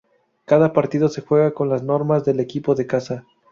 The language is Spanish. Cada partido se juega con las normas del equipo de casa.